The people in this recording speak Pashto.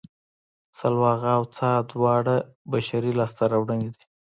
سلواغه او څا دواړه بشري لاسته راوړنې دي